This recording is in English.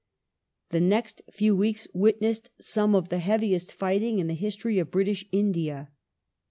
The next few weeks witnessed some of the heaviest ^^(Ts^'b %^^^^S ^"^^^ history of British India.